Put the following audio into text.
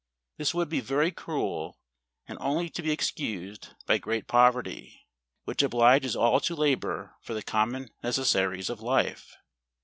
This would be very cruel, and only to be excused by great poverty, which obliges all to labour for the common necessaries of life.